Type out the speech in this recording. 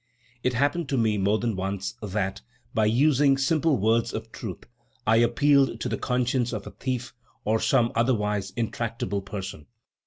It happened to me more than once that, by using simple words of truth, I appealed to the conscience of a thief or some otherwise intractable person.